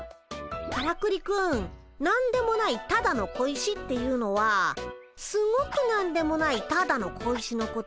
からくりくん何でもないただの小石っていうのはすごく何でもないただの小石のことで。